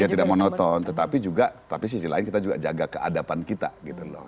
ya tidak monoton tetapi juga tapi sisi lain kita juga jaga keadapan kita gitu loh